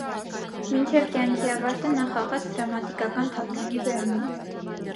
Մինչև կյանքի ավարտը նա խաղաց դրամատիկական թատրոնի բեմում։